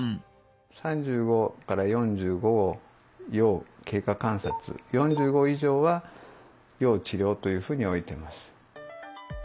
３５から４５を要経過観察４５以上は要治療というふうに置いてます。